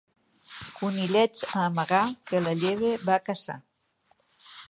Conillets a amagar, que la llebre va a caçar!